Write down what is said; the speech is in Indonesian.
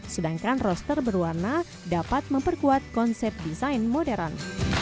sedangkan roster berwarna dapat memperkuat konsep desain modern